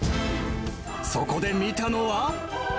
そこで見たのは。